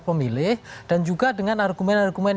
pemilih dan juga dengan argumen argumen